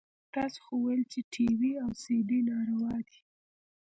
تاسو خو ويل چې ټي وي او سي ډي ناروا دي.